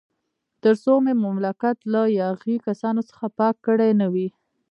تر څو مې مملکت له یاغي کسانو څخه پاک کړی نه وي.